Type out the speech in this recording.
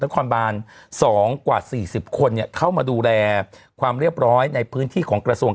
นครบาน๒กว่า๔๐คนเข้ามาดูแลความเรียบร้อยในพื้นที่ของกระทรวง